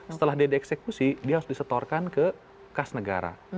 setelah dia dieksekusi dia harus disetorkan ke kas negara